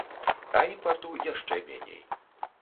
А імпарту яшчэ меней.